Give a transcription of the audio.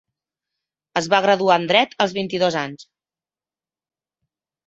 Es va graduar en dret als vint-i-dos anys.